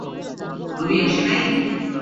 Ruby আসে নাই?